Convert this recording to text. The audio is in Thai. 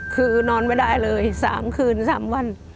คือนอนไม่ได้เลย๓คืน๓วัน